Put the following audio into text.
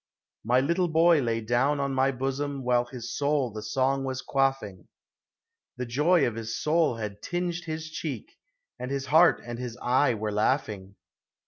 My little boy lay on my bosom While his soul the song was quaffing ; The joy of his soul had tinged his cheek, And his heart and his eye were laughing.